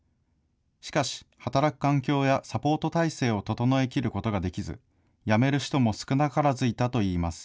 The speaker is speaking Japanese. しかし、働く環境やサポート態勢を整えきることができず、辞める人も少なからずいたといいます。